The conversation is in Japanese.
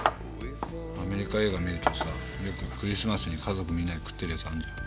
アメリカ映画見るとさよくクリスマスに家族みんなで食ってるやつあんじゃん。